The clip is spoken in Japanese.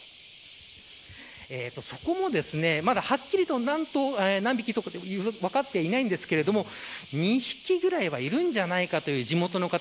そこも、まだはっきりと何匹ということは分かっていないんですけれども２匹ぐらいはいるんじゃないかという地元の方。